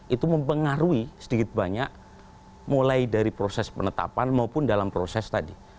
itu mempengaruhi sedikit banyak mulai dari proses penetapan maupun dalam proses tadi